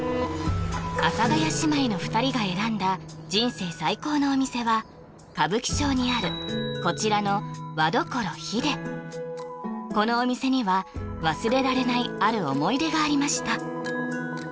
阿佐ヶ谷姉妹の２人が選んだ人生最高のお店は歌舞伎町にあるこちらのこのお店には忘れられないある思い出がありました